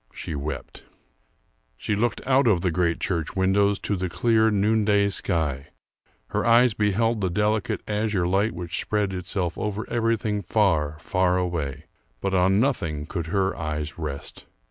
She wept. She looked out of the great church windows to the clear noonday sky; her eyes beheld the delicate azure light which spread itself over everything far, far away, but on nothing could her eyes rest.